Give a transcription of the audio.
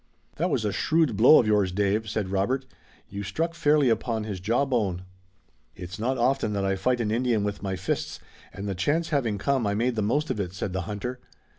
"That was a shrewd blow of yours, Dave," said Robert. "You struck fairly upon his jaw bone." "It's not often that I fight an Indian with my fists, and the chance having come I made the most of it," said the hunter.